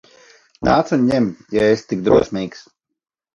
Nāc un ņem, ja esi tik drosmīgs!